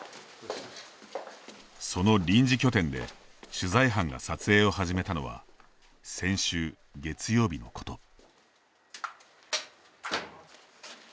その臨時拠点で取材班が撮影を始めたのは先週月曜日のこと。